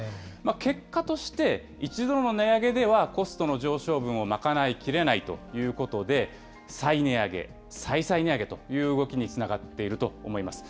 結果として、一度の値上げではコストの上昇分を賄いきれないということで、再値上げ、再々値上げという動きにつながっていると思います。